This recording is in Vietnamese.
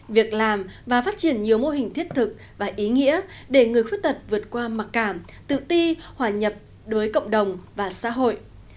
việc làm và phát triển nhiều mô hình thiết thực và ý nghĩa để người khuyết tật vượt qua mặc cảm tự ti hòa nhập đối cộng đồng và xã hội